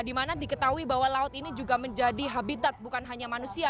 dimana diketahui bahwa laut ini juga menjadi habitat bukan hanya manusia